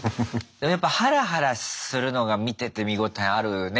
でもやっぱハラハラするのが見てて見応えあるね